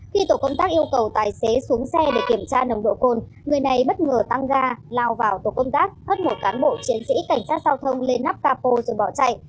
khi tổ công tác yêu cầu tài xế xuống xe để kiểm tra nồng độ cồn người này bất ngờ tăng ga lao vào tổ công tác hất một cán bộ chiến sĩ cảnh sát giao thông lên nắp capo rồi bỏ chạy